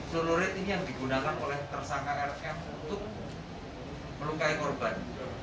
celurit ini yang digunakan oleh tersangka r m untuk melukai korban